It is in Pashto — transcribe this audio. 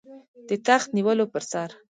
د تخت نیولو پر سر.